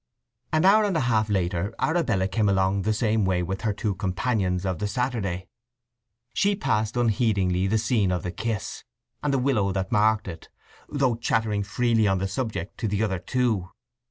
An hour and a half later Arabella came along the same way with her two companions of the Saturday. She passed unheedingly the scene of the kiss, and the willow that marked it, though chattering freely on the subject to the other two.